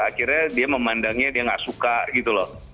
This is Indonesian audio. akhirnya dia memandangnya dia nggak suka gitu loh